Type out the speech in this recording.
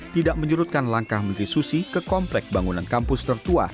tidak menyurutkan langkah menteri susi ke komplek bangunan kampus tertua